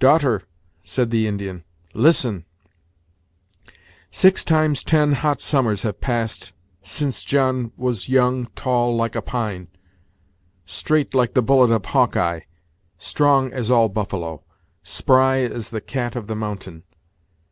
"Daughter," said the Indian, "listen: Six times ten hot summers have passed since John was young tall like a pine; straight like the bullet of Hawk eye, strong as all buffalo; spry as the cat of the mountain.